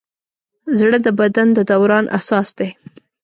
زړه د بدن د دوران اساس دی.